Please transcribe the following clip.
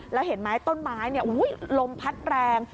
แล้วเห็นไหมต้นไม้ลมพัดแรง